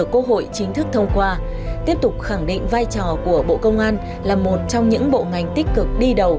các thông qua tiếp tục khẳng định vai trò của bộ công an là một trong những bộ ngành tích cực đi đầu